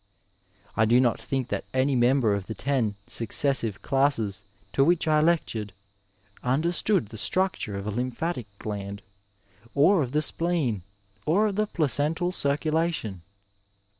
I do not think that any member of the ten suc cessive classes to which I lectured understood the structure of a lymphatic gland, or of the spleen, or of the placental circulation.